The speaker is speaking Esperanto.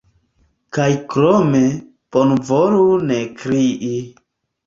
Kaj krome, bonvolu ne krii.